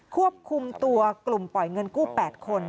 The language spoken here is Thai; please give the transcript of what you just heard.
ควบคุมตัวกลุ่มปล่อยเงินกู้๘คน